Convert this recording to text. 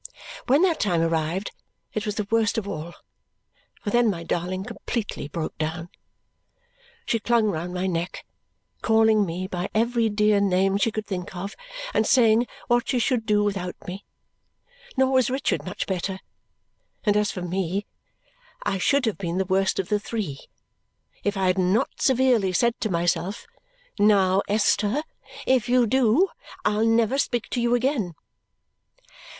When that time arrived it was the worst of all, for then my darling completely broke down. She clung round my neck, calling me by every dear name she could think of and saying what should she do without me! Nor was Richard much better; and as for me, I should have been the worst of the three if I had not severely said to myself, "Now Esther, if you do, I'll never speak to you again!"